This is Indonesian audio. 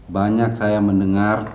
banyak saya mendengar